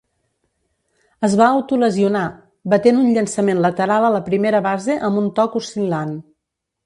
Es va autolesionar, batent un llançament lateral a la primera base amb un toc oscil·lant.